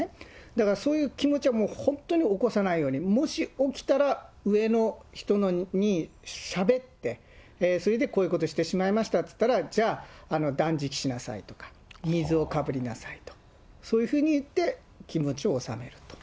だからそういう気持ちはもう本当に起こさないように、もし起きたら、上の人にしゃべって、それでこういうことしてしまいましたと言ったら、じゃあ、断食しなさいとか、水をかぶりなさいと、そういうふうに言って、気持ちを収めると。